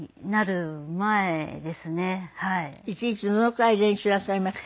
一日どのくらい練習なさいました？